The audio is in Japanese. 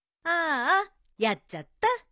あーあやっちゃった。